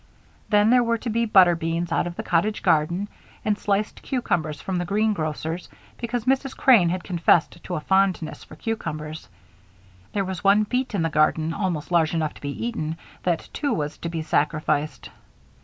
Then there were to be butter beans out of the cottage garden, and sliced cucumbers from the green grocer's because Mrs. Crane had confessed to a fondness for cucumbers. There was one beet in the garden almost large enough to be eaten; that, too, was to be sacrificed.